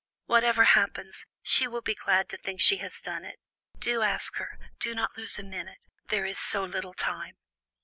Whatever happens, she will be glad to think she has done it. Do ask her; do not lose a minute; there is so little time."